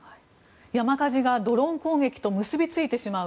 山火事がドローン攻撃と結びついてしまう。